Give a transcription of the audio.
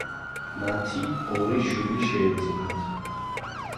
მათი ორი შვილი შეეძინათ.